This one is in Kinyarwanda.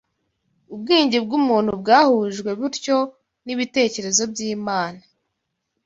Ubwenge bw’umuntu bwahujwe butyo n’ibitekerezo by’Imana